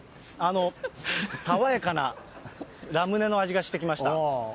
爽やかな、ラムネの味がしてきました。